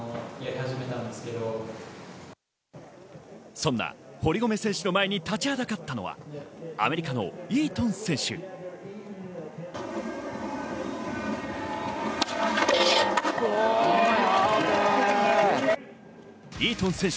そんな堀米選手の前に立ちはだかったのはアメリカのイートン選手。